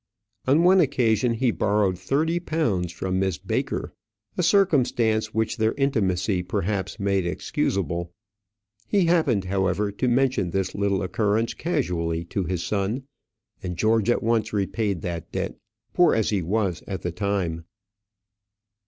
On one occasion he borrowed thirty pounds from Miss Baker; a circumstance which their intimacy, perhaps, made excusable. He happened, however, to mention this little occurrence casually to his son, and George at once repaid that debt, poor as he was at the time.